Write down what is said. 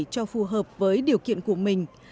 cho phù hợp với điều kiện của mình